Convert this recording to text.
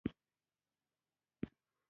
هر څوک د خپلې ورځې منتظر دی.